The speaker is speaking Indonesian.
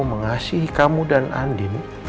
mengasihi kamu dan andi